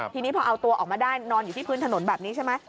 ทีนี้พอเอาตัวออกมาได้นอนอยู่ที่พื้นถนนแบบนี้ใช่ไหม